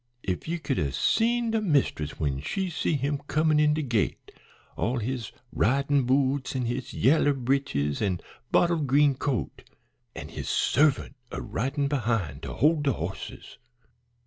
If ye could 'a' seen de mist'ess when she see him comin' in de gate! All in his ridin' boots an' his yaller breeches an' bottle green coat, an' his servant a ridin' behind to hold de horses.